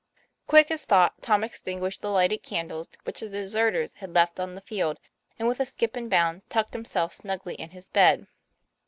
Quick as thought, Tom extinguished the lighted candles, which the deserters had left on the field, and with a skip and a bound tucked himself snugly in his bed.